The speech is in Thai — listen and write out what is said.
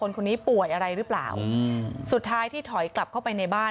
คนนี้ป่วยอะไรหรือเปล่าสุดท้ายที่ถอยกลับเข้าไปในบ้าน